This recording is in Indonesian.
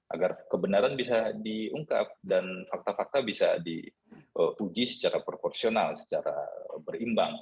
agar kebenaran bisa diungkap dan fakta fakta bisa diuji secara proporsional secara berimbang